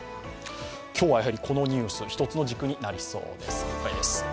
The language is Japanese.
今日はやはりこのニュース一つの軸になりそうです。